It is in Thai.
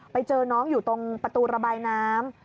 ไปเจอน้องอยู่ตรงประตูระบายน้ำ